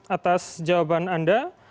atas jawaban anda